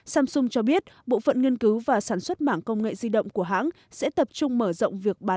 samsung cho biết bộ phận nghiên cứu và sản xuất mảng công nghệ di động của hãng sẽ tập trung mở rộng việc bán